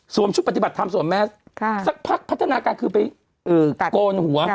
ชุดปฏิบัติธรรมสวมแมสสักพักพัฒนาการคือไปโกนหัว